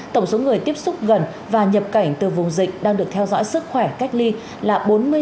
tổng số người tiếp xúc gần và nhập cảnh từ vùng dịch đang được theo dõi sức khỏe cách ly là bốn mươi sáu chín trăm ba mươi ba